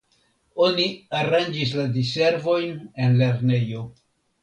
Oni aranĝis la diservojn en lernejo.